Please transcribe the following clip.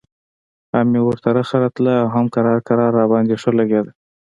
هم مې ورته رخه راتله او هم کرار کرار راباندې ښه لګېده.